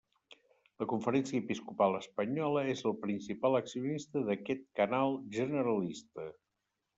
La Conferència Episcopal Espanyola és el principal accionista d'aquest canal generalista.